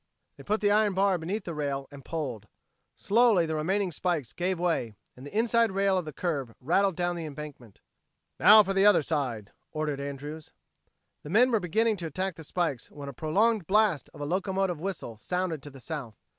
They put the iron bar beneath the rail, and pulled. Slowly the remaining spikes gave way, and the inside rail of the curve rattled down the embankment. "Now for the other side," ordered Andrews. The men were beginning to attack the spikes when a prolonged blast of a locomotive whistle sounded to the south.